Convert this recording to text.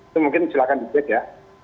itu mungkin silakan di check ya